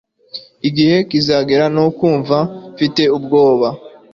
Igihe kizagera no kumva ufite ubwoba